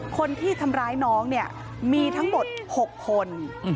คนที่ทำร้ายน้องเนี่ยมีทั้งหมด๖คน